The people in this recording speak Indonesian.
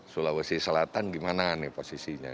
sulawesi selatan gimana nih posisinya